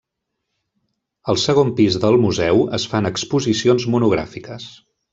Al segon pis del museu es fan exposicions monogràfiques.